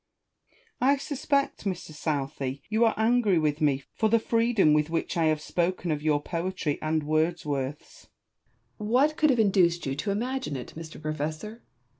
I suspect, Mr. Southey, you are angry with me for the freedom with which I have spoken of your poetry and Wordsworth's. Southey. What could have induced you to imagine it, Mr. Professor